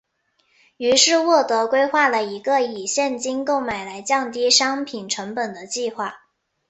于是沃德规划了一个以现金购买来降低商品成本的计划。